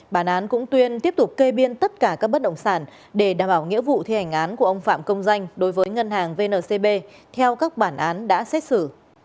bản án cũng tuyên tiếp tục kê biên tất cả các bất động sản để đảm bảo nghĩa vụ thi hành án của ông phạm công danh đối với ngân hàng vncb theo các bản án đã xét xử